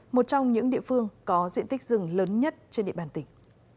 một trong những địa phương có diện tích rừng lớn nhất trên địa bàn tỉnh